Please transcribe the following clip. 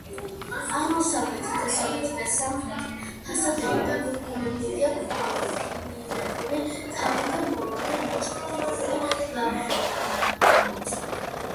აღმოსავლეთი, დასავლეთი და სამხრეთი ფასადები დაგვირგვინებულია პროფილირებული, თავიდან ბოლომდე მოჩუქურთმებული ლავგარდნით.